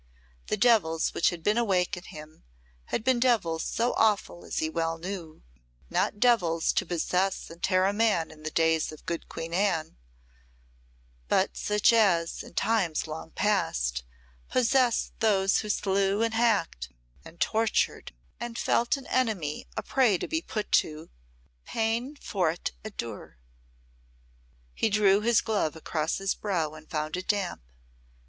The devils which had been awake in him had been devils so awful as he well knew not devils to possess and tear a man in the days of good Queen Anne, but such as, in times long past, possessed those who slew, and hacked, and tortured, and felt an enemy a prey to be put to peine forte et dure. He drew his glove across his brow and found it damp.